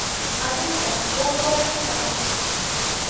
Албетте, бул туура эмес кадам.